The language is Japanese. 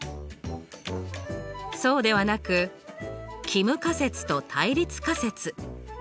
そうではなく帰無仮説と対立仮説